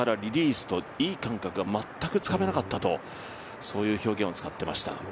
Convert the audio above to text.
昨日は姿勢、フィーリング、右手、それからリリースと、いい感覚が全くつかめなかったという表現を使っていました。